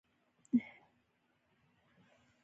په طبیعي توګه تاسو نشئ کولای مخه ونیسئ.